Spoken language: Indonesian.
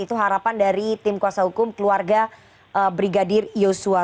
itu harapan dari tim kuasa hukum keluarga brigadir yosua